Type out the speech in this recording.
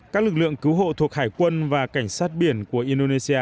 các lực lượng cứu hộ thuộc hải quân và cảnh sát biển của indonesia